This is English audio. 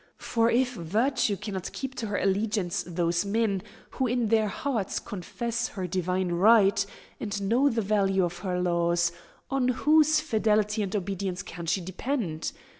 For if virtue cannot keep to her allegiance those men, who in their hearts confess her divine right, and know the value of her laws, on whose fidelity and obedience can she depend?